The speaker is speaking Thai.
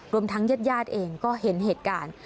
รวมทั้งเย็ดเองก็เห็นเหตุการณ์